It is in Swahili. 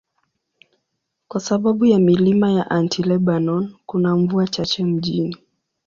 Kwa sababu ya milima ya Anti-Lebanon, kuna mvua chache mjini.